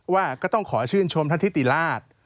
ว่าก็ต้องขอชื่นชมท่านทิติราช